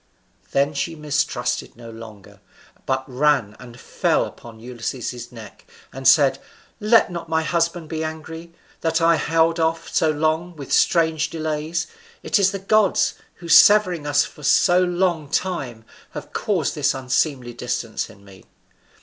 Then she mistrusted no longer, but ran and fell upon Ulysses's neck, and said, "Let not my husband be angry, that I held off so long with strange delays; it is the gods, who severing us for so long time, have caused this unseemly distance in me.